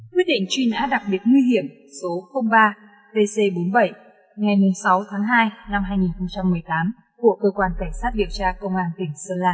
quyết định truy nã đặc biệt nguy hiểm số ba tc bốn mươi bảy ngày sáu tháng hai năm hai nghìn một mươi tám của cơ quan cảnh sát điều tra công an tỉnh sơn la